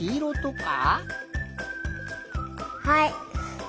はい！